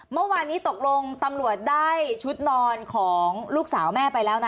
เมื่อวานนี้ตกลงตำรวจได้ชุดนอนของลูกสาวแม่ไปแล้วนะ